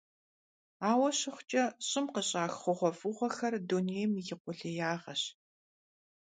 Aue şıxhuç'e, ş'ım khış'ax xhuğuef'ığuexer dunêym yi khulêyağeş.